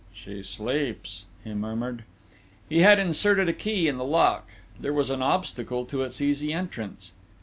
"She sleeps," he murmured. He had inserted a key in the lock: there was an obstacle to its easy entrance.